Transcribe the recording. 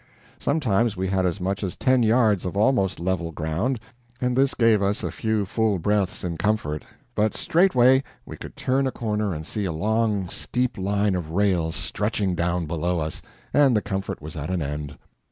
Sometimes we had as much as ten yards of almost level ground, and this gave us a few full breaths in comfort; but straightway we would turn a corner and see a long steep line of rails stretching down below us, and the comfort was at an end.